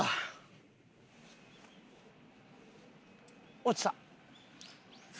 落ちた。